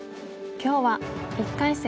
今日は１回戦